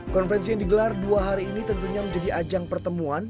konvensi yang digelar dua hari ini tentunya menjadi ajang pertemuan